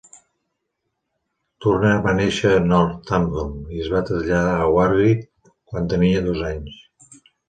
Turner va néixer a Northampton i es va traslladar a Warwick quan tenia dos anys.